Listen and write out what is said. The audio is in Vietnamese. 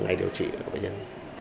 hay điều trị của bệnh nhân